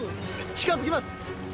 近づきます。